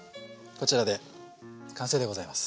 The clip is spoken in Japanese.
こちらで完成でございます。